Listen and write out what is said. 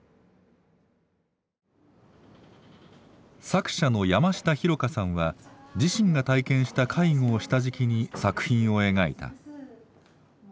作者の山下紘加さんは自身が体験した介護を下敷きに作品を描いた。